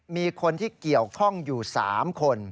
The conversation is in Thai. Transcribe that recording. มีคนที่เกี่ยวข้องอยู่๓คน